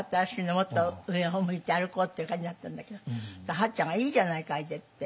もっと上を向いて歩こうっていう感じだったんだけど八ちゃんが「いいじゃないかあれで」って